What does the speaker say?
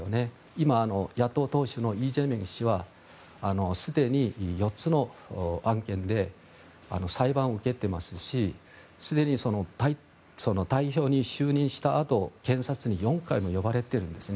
今、野党党首のイ・ジェミョン氏はすでに４つの案件で裁判を受けていますしすでに代表に就任したあと検察に４回も呼ばれてるんですね。